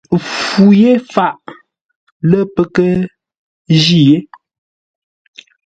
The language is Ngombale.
Fu yé faʼ, lə́ pə́ kə́ jí yé.